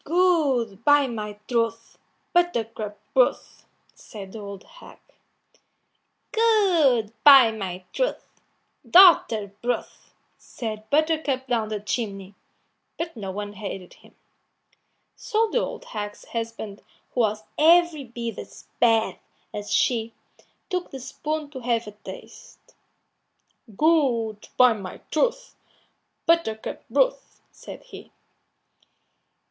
"Good, by my troth! Buttercup broth," said the old hag. "Good, by my troth! Daughter broth," said Buttercup down the chimney, but no one heeded him. So the old hag's husband, who was every bit as bad as she, took the spoon to have a taste. "Good, by my troth! Buttercup broth," said he.